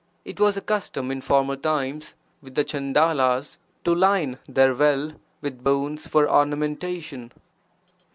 It was a custom in former times with the Chandalas to line their well with bones for ornamentation.